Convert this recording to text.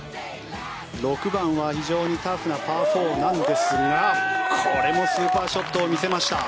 ６番は非常にタフなパー４なんですがこれもスーパーショットを見せました。